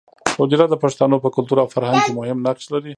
حجره د پښتانو په کلتور او فرهنګ کې مهم نقش لري